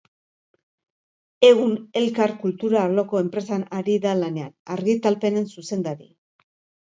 Egun Elkar kultura arloko enpresan ari da lanean, argitalpenen zuzendari.